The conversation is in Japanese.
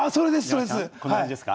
こんな感じですか？